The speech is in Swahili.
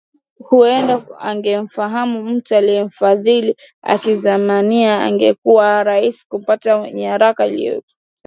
Huenda angemfahamu mtu aliyemfadhili Hakizemana na ingekuwa rahisi kupata nyaraka iliyopotea